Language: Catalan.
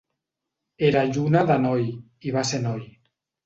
Era lluna de noi, i va ser noi.